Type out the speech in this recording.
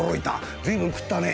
随分食ったねえ」。